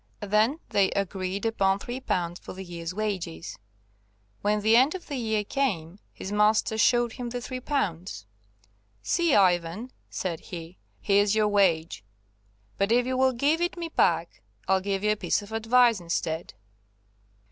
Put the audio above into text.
Then they agreed upon three pounds for the year's wages. When the end of the year came his master showed him the three pounds. "See, Ivan," said he, "here's your wage; but if you will give it me back I'll give you a piece of advice instead."